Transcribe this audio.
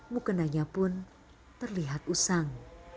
mukenanya pun terlihat usang